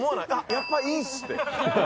やっぱ、いいっすって。